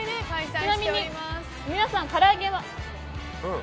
ちなみに、皆さんから揚げは。